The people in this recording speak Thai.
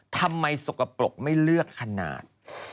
ทำไมสกปรกไม่เลือกขนาด